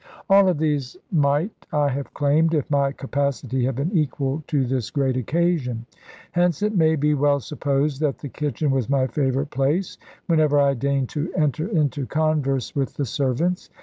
All of these might I have claimed, if my capacity had been equal to this great occasion. Hence it may be well supposed that the kitchen was my favourite place, whenever I deigned to enter into converse with the servants.